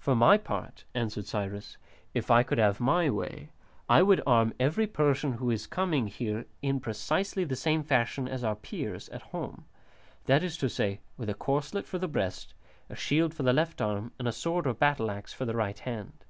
"For my part," answered Cyrus, "if I could have my way, I would arm every Persian who is coming here in precisely the same fashion as our Peers at home, that is to say, with a corslet for the breast, a shield for the left arm, and a sword or battle axe for the right hand.